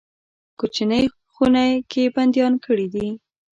کوچنۍ خونه کې بندیان کړي دي.